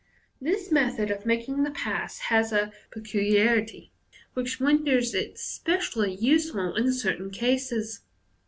This method of making the pass has a peculiarity which renders it specially useful in certain cases.